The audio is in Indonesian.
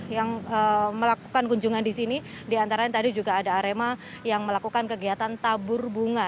yang melakukan kunjungan di sini diantaranya tadi juga ada arema yang melakukan kegiatan tabur bunga